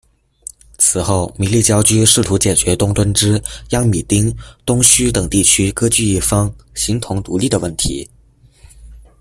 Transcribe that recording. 此后，弥利憍苴试图解决东敦枝、央米丁，、东吁等地区割据一方、形同独立的问题。